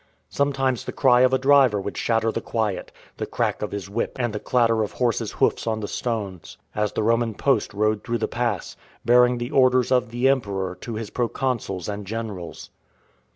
Sometimes the cry of a driver would shatter the quiet, the crack of his whip and the clatter of horses' hoofs on the stones, as the Roman post rode through the pass, bearing the orders of the Emperor to his proconsuls and generals.